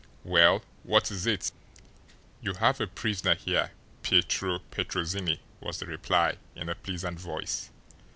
"Well, what is it?" "You have a prisoner here, Pietro Petrozinni," was the reply, in a pleasant voice.